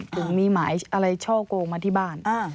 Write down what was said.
ถึงมีหมายอะไรช่อโกงมาที่บ้าน